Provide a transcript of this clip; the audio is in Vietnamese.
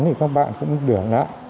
thì các bạn cũng được